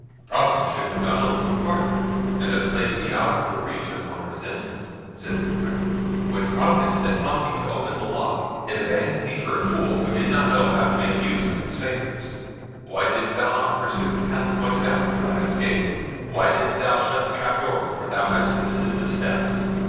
"Providence should have gone a little farther, and have placed thee out of the reach of my resentment," said Manfred. "When Providence had taught thee to open the lock, it abandoned thee for a fool, who did not know how to make use of its favours. Why didst thou not pursue the path pointed out for thy escape? Why didst thou shut the trap door before thou hadst descended the steps?"